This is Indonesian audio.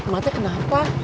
mak teh kenapa